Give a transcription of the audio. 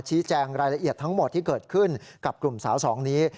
ชี้แจงรายละเอียดทั้งหมดที่เกิดขึ้นกับกลุ่มสาวสองนี้